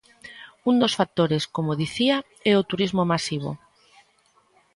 Un dos factores, como dicía, é o turismo masivo.